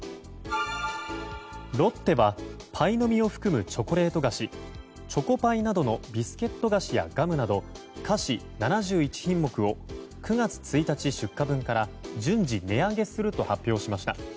ロッテはパイの実を含むチョコレート菓子チョコパイなどのビスケット菓子やガムなど菓子７１品目を９月１日出荷分から順次値上げすると発表しました。